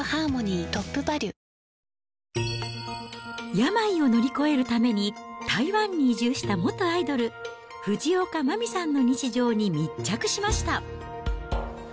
病を乗り越えるために台湾に移住した元アイドル、藤岡麻美さんの日常に密着しました。